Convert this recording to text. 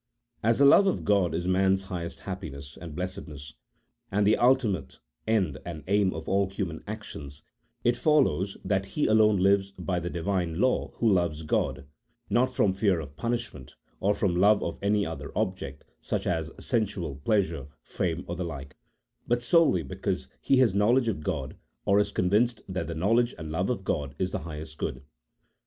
As the love of God is man's highest happiness and blessed ness, and the ultimate end and aim of all human actions, it follows that he alone lives by the Divine law who loves God not from fear of punishment, or from love of any other object, such as sensual pleasure, fame, or the like ; but solely because he has knowledge of God, or is convinced that the knowledge and love of God is the highest good.